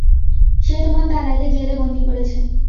সে তোমার দাদাকে জেলে বন্দী করেছে।